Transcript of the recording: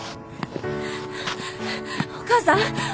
お母さん？